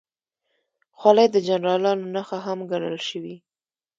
خولۍ د جنرالانو نښه هم ګڼل شوې.